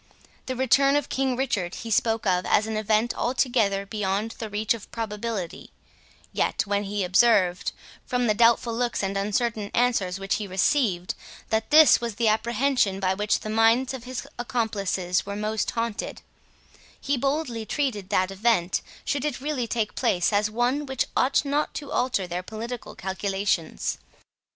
The return of King Richard he spoke of as an event altogether beyond the reach of probability; yet, when he observed, from the doubtful looks and uncertain answers which he received, that this was the apprehension by which the minds of his accomplices were most haunted, he boldly treated that event, should it really take place, as one which ought not to alter their political calculations.